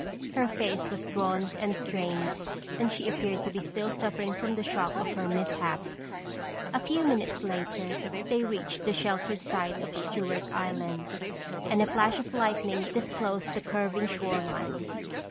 Her face was drawn and strained and she appeared to be still suffering from the shock of her mishap. A few minutes later they reached the sheltered side of Stewart Island and a flash of lightning disclosed the curving shore line.